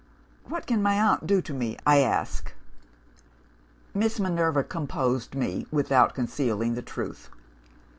'What can my aunt do to me?' I asked. "Miss Minerva composed me without concealing the truth.